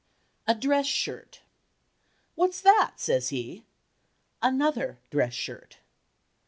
"A dress shirt." "What's that?" says he. "Another dress shirt."